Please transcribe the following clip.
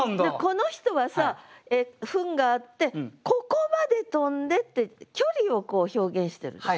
この人はさ糞があって「ここまで飛んで」って距離を表現してるでしょ。